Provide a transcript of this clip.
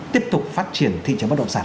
tiếp tục phát triển thị trấn bất động sản